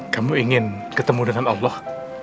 kamu ingin ketemu dengan allah